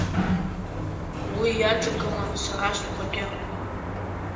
Уи иаҿагылан сара стәқәагьы…